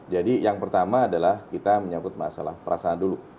jadi yang pertama adalah kita menyangkut masalah perasaan dulu